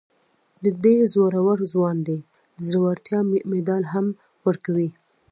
دی ډېر زړور ځوان دی، د زړورتیا مېډال هم ورکوي.